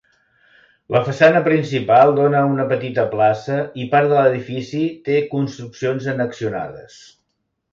La façana principal dóna a una petita plaça i part de l'edifici té construccions annexionades.